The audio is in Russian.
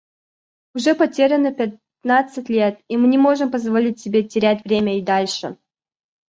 Уже потеряно пятнадцать лет, и мы не можем позволить себе терять время и дальше.